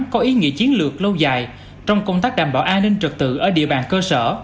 có ý nghĩa chiến lược lâu dài trong công tác đảm bảo an ninh trật tự ở địa bàn cơ sở